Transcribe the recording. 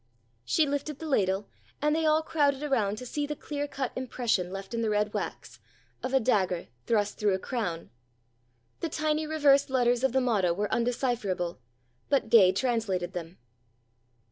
She lifted the ladle, and they all crowded around to see the clear cut impression left in the red wax, of a dagger thrust through a crown. The tiny reversed letters of the motto were undecipherable, but Gay translated them.